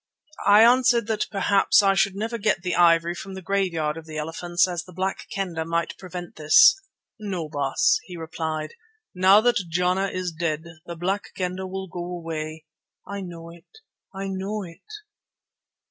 I answered that perhaps I should never get the ivory from the graveyard of the elephants, as the Black Kendah might prevent this. "No, no, Baas," he replied, "now that Jana is dead the Black Kendah will go away. I know it, I know it!"